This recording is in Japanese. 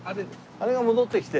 あれが戻ってきて。